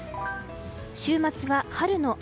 週末は春の雨。